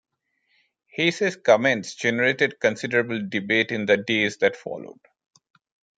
Hayes's comments generated considerable debate in the days that followed.